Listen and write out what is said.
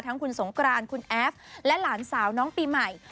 ทั้งคุณสงกรานคุณแอฟและหลานสาวน้องปีใหม่